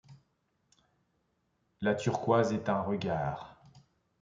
La turquoise est un regard ;